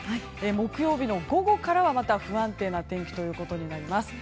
木曜日の午後からはまた不安定な天気となります。